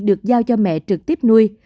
được giao cho mẹ trực tiếp nuôi